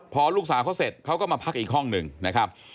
พอลูกสาวเขาเสร็จเขาก็มาพักอีกห้องหนึ่งนะครับ